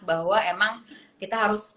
bahwa emang kita harus